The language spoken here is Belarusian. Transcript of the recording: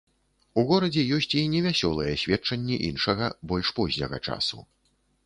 У горадзе ёсць і невясёлыя сведчанні іншага, больш позняга часу.